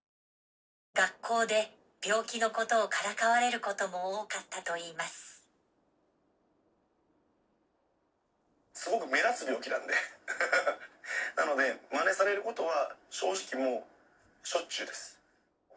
学校で病気のことをからかわれることも多かったといいますすごく目立つ病気なんでなのでまねされることは正直もうしょっちゅうです